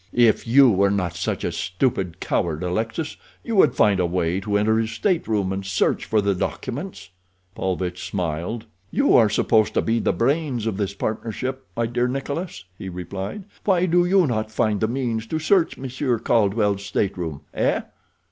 If you were not such a stupid coward, Alexis, you would find a way to enter his stateroom and search for the documents." Paulvitch smiled. "You are supposed to be the brains of this partnership, my dear Nikolas," he replied. "Why do you not find the means to search Monsieur Caldwell's stateroom—eh?"